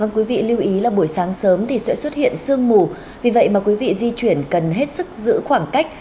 quý vị lưu ý là buổi sáng sớm thì sẽ xuất hiện sương mù vì vậy mà quý vị di chuyển cần hết sức giữ khoảng cách